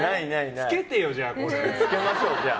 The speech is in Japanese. つけましょう、じゃあ。